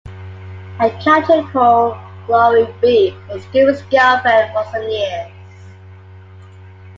A character called "Glory-Bee" was Goofy's girlfriend for some years.